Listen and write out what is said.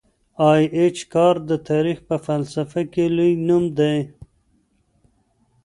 ای اېچ کار د تاریخ په فلسفه کي لوی نوم دی.